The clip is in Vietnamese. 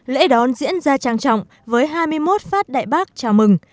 lễ đón diễn ra trang trọng với hai mươi một phát đại bác chào mừng